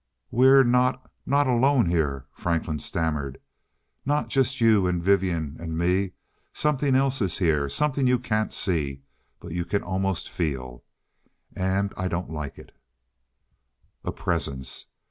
"We're not not alone here," Franklin stammered. "Not just you and Vivian and me something else is here something you can't see, but you can almost feel. An' I don't like it " A presence.